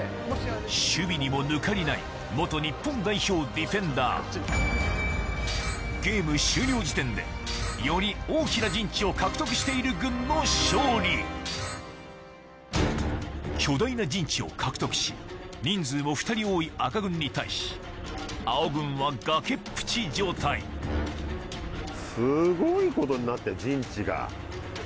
守備にも抜かりない日本代表ディフェンダーゲーム終了時点でより大きな陣地を獲得している軍の勝利巨大な陣地を獲得し人数も２人多い赤軍に対し青軍は崖っぷち状態すごいことになってる陣地が。